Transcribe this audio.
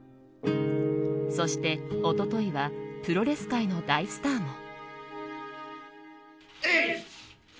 そして一昨日はプロレス界の大スターも。